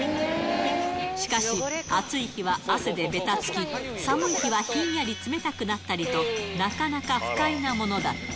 しかし、暑い日は汗でべたつき、寒い日はひんやり冷たくなったりと、なかなか不快なものだった。